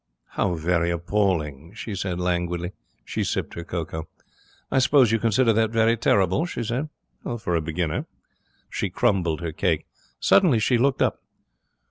'How very appalling!' said she, languidly. She sipped her cocoa. 'I suppose you consider that very terrible?' she said. 'For a beginner.' She crumbled her cake. Suddenly she looked up.